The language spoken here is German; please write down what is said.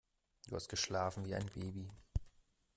Du hast geschlafen wie ein Baby.